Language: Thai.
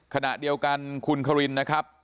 ขณะเดียวกันคุณครินนะครับ